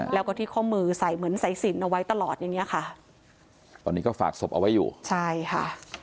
แล้วก็ที่ข้อมือใส่เหมือนสายสินเอาไว้ตลอดอย่างเงี้ยค่ะตอนนี้ก็ฝากศพเอาไว้อยู่ใช่ค่ะ